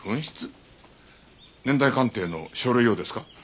年代鑑定の書類をですか？